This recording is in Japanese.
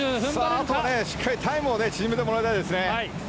あとはしっかりタイムを縮めてもらいたいです。